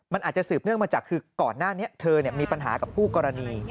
มันอาจจะสืบเนื่องมาจากคือก่อนหน้านี้เธอมีปัญหากับคู่กรณี